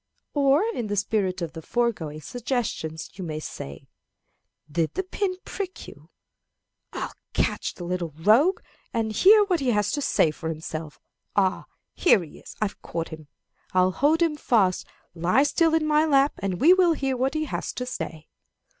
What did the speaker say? Or, in the spirit of the foregoing suggestions, you may say, "Did the pin prick you? I'll catch the little rogue, and hear what he has to say for himself. Ah, here he is I've caught him! I'll hold him fast. Lie still in my lap, and we will hear what he has to say.